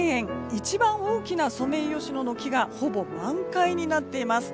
一番大きなソメイヨシノの木がほぼ満開になっています。